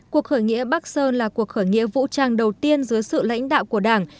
cuộc khởi nghĩa bắc sơn là cuộc khởi nghĩa vũ trang đầu tiên dưới sự lãnh đạo của đảng